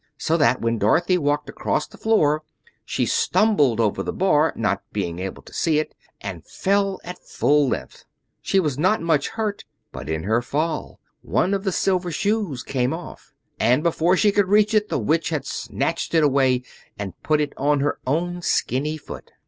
So that when Dorothy walked across the floor she stumbled over the bar, not being able to see it, and fell at full length. She was not much hurt, but in her fall one of the Silver Shoes came off; and before she could reach it, the Witch had snatched it away and put it on her own skinny foot.